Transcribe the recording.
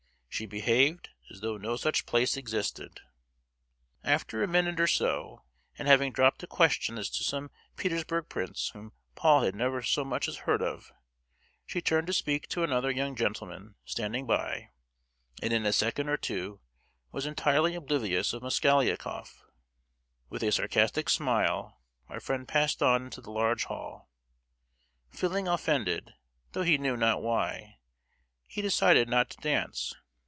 She behaved as though no such place existed. After a minute or so, and having dropped a question as to some Petersburg prince whom Paul had never so much as heard of, she turned to speak to another young gentleman standing by, and in a second or two was entirely oblivious of Mosgliakoff. With a sarcastic smile our friend passed on into the large hall. Feeling offended—though he knew not why—he decided not to dance.